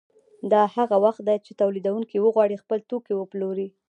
دا هغه وخت دی چې تولیدونکي وغواړي خپل توکي وپلوري